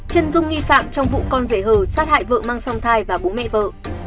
trân dung nghi phạm trong vụ con rẻ hờ sát hại vợ mang song thai và bố mẹ vợ